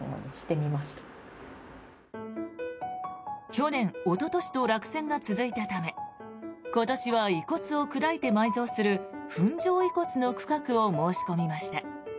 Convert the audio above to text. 去年、おととしと落選が続いたため今年は遺骨を砕いて埋蔵する粉状遺骨の区画を申し込みました。